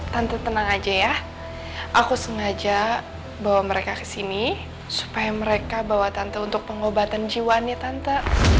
tante tenang aja ya aku sengaja bawa mereka kesini supaya mereka bawa tante untuk pengobatan jiwa nih tante